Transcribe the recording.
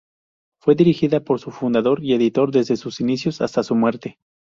Fue dirigida por su fundador y editor desde sus inicios hasta su muerte.